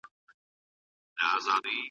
ایا پښتانه به بیا یو داسې مشر ومومي؟